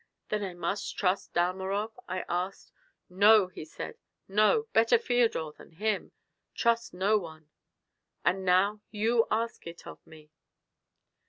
'Then I must trust Dalmorov?' I asked. 'No,' he said, 'no; better Feodor than him. Trust no one.' And now you ask it of me."